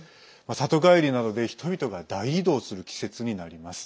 里帰りなどで人々が大移動する季節になります。